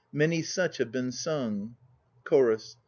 ... many such have been sung. CHORUS.